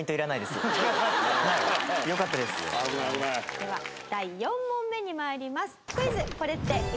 では第４問目に参ります。